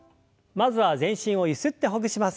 まずは全身をゆすってほぐします。